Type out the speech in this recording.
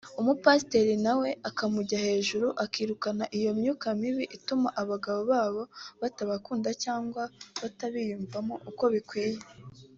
umupasiteri na we akamujya hejuru akirukana iyo myuka mibi ituma abagabo babo batabakunda cyangwa batabiyumvamo uko bikwiye